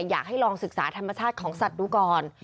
อยากให้ลองศึกษาธรรมชาติของสัตว์ดูก่อน